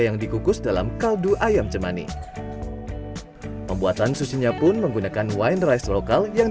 yang dikukus dalam kaldu ayam cemani pembuatan susunya pun menggunakan wine rice lokal yang